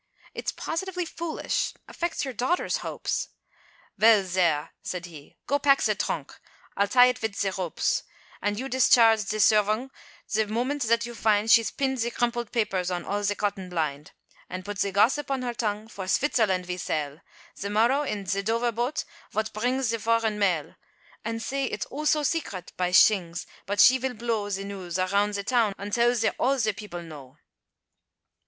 It's positively foolish, affects your daughter's hopes " "Vel, zhere," said he, "go pack ze thronk, I'll tie it vit ze ropes; And you discharge ze servong, ze moment zat you find, She's pinned ze crumpled papers, on all ze cotton blind: And put ze gossip on her tongue, for Svitzerland ve sail, Ze morrow in ze Dover boat, vot brings ze voreign mail; And say, its Oh, so secret, by shings, but she vill blow Ze news, around ze town, until ze all ze people know."